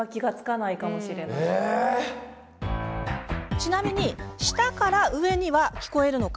ちなみに下から上には聞こえるのか。